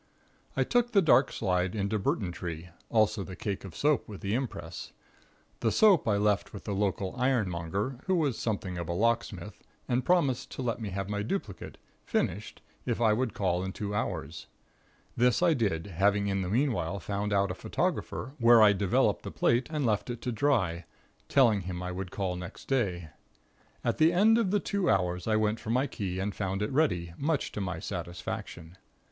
"I took the dark slide into Burtontree, also the cake of soap with the impress. The soap I left with the local ironmonger, who was something of a locksmith and promised to let me have my duplicate, finished, if I would call in two hours. This I did, having in the meanwhile found out a photographer where I developed the plate, and left it to dry, telling him I would call next day. At the end of the two hours I went for my key and found it ready, much to my satisfaction.